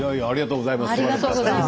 ありがとうございます。